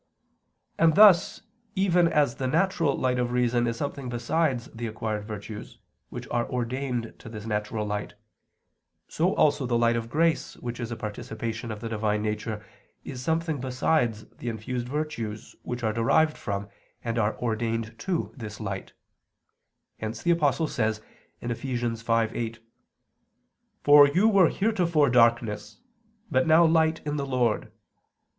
And thus, even as the natural light of reason is something besides the acquired virtues, which are ordained to this natural light, so also the light of grace which is a participation of the Divine Nature is something besides the infused virtues which are derived from and are ordained to this light, hence the Apostle says (Eph. 5:8): "For you were heretofore darkness, but now light in the Lord.